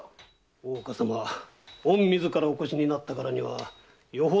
大岡様御自らお越しになるからにはよほどのご事情。